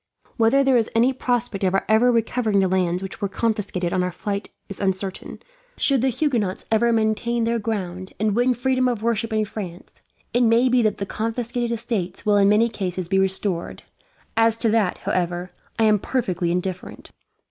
Whether there is any prospect of our ever recovering the lands which were confiscated on our flight is uncertain. Should the Huguenots ever maintain their ground, and win freedom of worship in France, it may be that the confiscated estates will in many cases be restored; as to that, however, I am perfectly indifferent.